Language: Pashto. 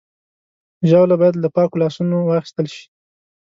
ژاوله باید له پاکو لاسونو واخیستل شي.